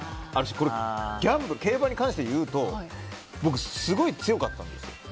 これ、競馬に関して言うと僕、すごい強かったんですよ。